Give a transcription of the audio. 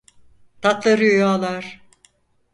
Tatlı rüyalar.